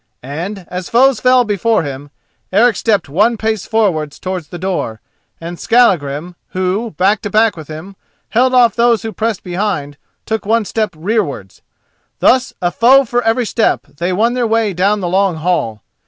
And as foes fell before him, Eric stepped one pace forward towards the door, and Skallagrim, who, back to back with him, held off those who pressed behind, took one step rearwards. Thus, a foe for every step, they won their way down the long hall.